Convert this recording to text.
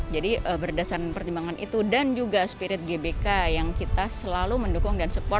jadi berdasarkan pertimbangan itu dan juga spirit gbk yang kita selalu mendukung dan support